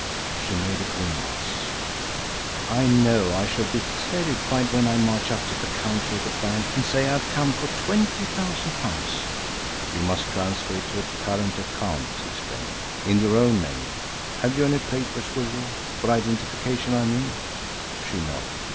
She made a grimace. "I know I shall be terrified when I march up to the counter of the bank and say I've come for twenty thousand pounds!" "You must transfer it to a current account," he explained, "in your own name. Have you any papers with you for identification, I mean?" She nodded.